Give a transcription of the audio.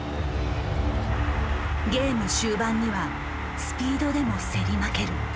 ゲーム終盤にはスピードでも競り負ける。